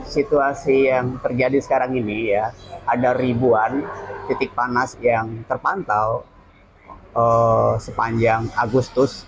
situasi yang terjadi sekarang ini ya ada ribuan titik panas yang terpantau sepanjang agustus